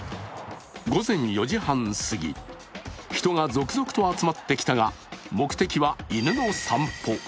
午前４時半過ぎ、人が続々と集まってきたが目的は、犬の散歩。